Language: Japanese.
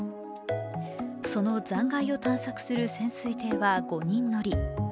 その残骸を探索する潜水艇は５人乗り。